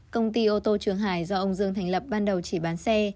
công ty ô tô trường hải do ông dương thành lập ban đầu chỉ bán xe